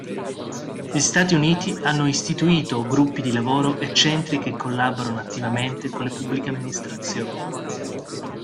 Gli Stati Uniti hanno istituito gruppi di lavoro e centri che collaborano attivamente con le Pubbliche Amministrazioni.